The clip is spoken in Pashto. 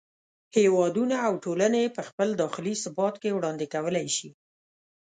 هېوادونه او ټولنې یې په خپل داخلي ثبات کې وړاندې کولای شي.